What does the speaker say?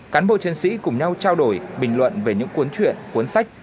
cán bộ chiến sĩ cùng nhau trao đổi bình luận về những cuốn chuyện cuốn sách